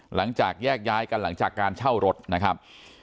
หลังจากแยกย้ายกันหลังจากการเช่ารถนะครับ